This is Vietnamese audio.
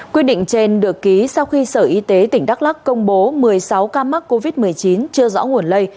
quyết định trên được ký sau khi sở y tế tỉnh đắk lắc công bố một mươi sáu ca mắc covid một mươi chín chưa rõ nguồn lây